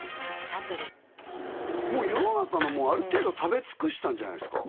サントリーもう世の中のものある程度食べ尽くしたんじゃないですか？